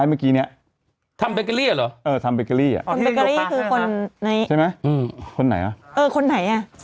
คือคนที่ทำอะไรนะฮะ